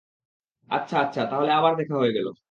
আচ্ছা, আচ্ছা, তাহলে আবার দেখা হয়ে গেল।